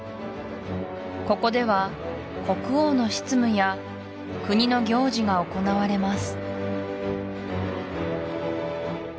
ここでは国王の執務や国の行事が行われます